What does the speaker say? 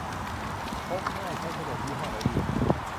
พกง่ายใช้สะดวก ยี่ห้อไหนดี